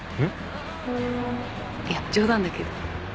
いや冗談だけど。